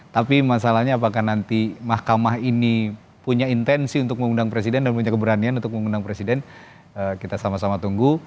tapi masalahnya apakah nanti mahkamah ini punya intensi untuk mengundang presiden dan punya keberanian untuk mengundang presiden kita sama sama tunggu